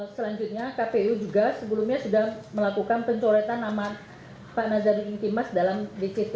selanjutnya kpu juga sebelumnya sudah melakukan pencoretan amat pak nazari intimas dalam dct